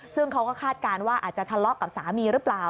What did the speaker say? ซึ่งเขาก็คาดการณ์ว่าอาจจะทะเลาะกับสามีหรือเปล่า